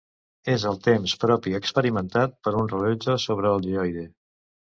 És el temps propi experimentat per un rellotge sobre el geoide.